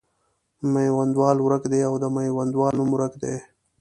میوندوال ورک دی او د میوندوال نوم ورک دی.